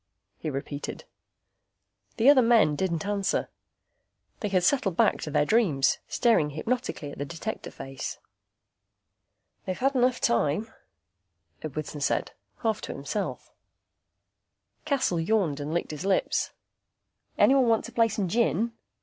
he repeated. The other men didn't answer. They had settled back to their dreams, staring hypnotically at the Detector face. "They've had enough time," Edwardson said, half to himself. Cassel yawned and licked his lips. "Anyone want to play some gin?"